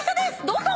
どうぞ！